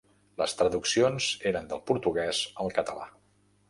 Les traduccions eren del portuguès al català.